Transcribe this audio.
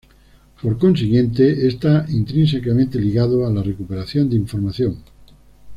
Por consiguiente, está intrínsecamente ligado a la recuperación de información.